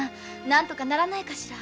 何とかならないかしら。